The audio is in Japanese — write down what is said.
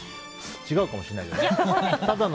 違うかもしれないけど。